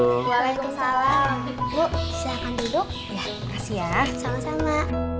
bukur yola namanya siapa